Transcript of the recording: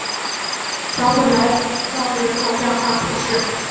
小普莱朗人口变化图示